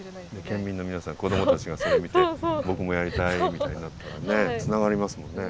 県民の皆さん子供たちがそれを見て僕もやりたいみたいになったらねつながりますもんね。